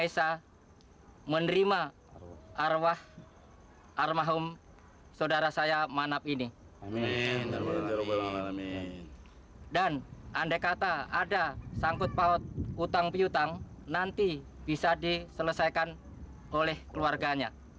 sampai jumpa di video selanjutnya